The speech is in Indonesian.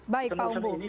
baik pak umbu